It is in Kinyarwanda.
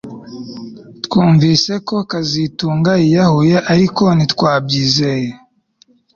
Twumvise ko kazitunga yiyahuye ariko ntitwabyizeye